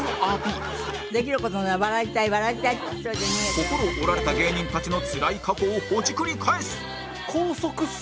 心を折られた芸人たちのつらい過去をほじくり返す！